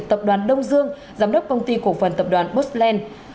tập đoàn đông dương giám đốc công ty cổ phần tập đoàn bosland